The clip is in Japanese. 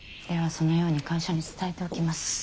そのように会社に伝えておきます。